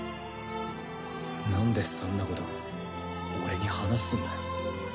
なんでそんなこと俺に話すんだよ。